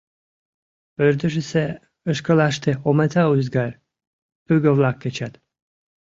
Пырдыжысе ишкылаште омыта ӱзгар, пӱгӧ-влак кечат.